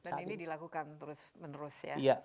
dan ini dilakukan terus menerus ya